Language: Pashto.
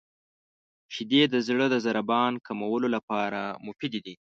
• شیدې د زړه د ضربان کمولو لپاره مفیدې دي.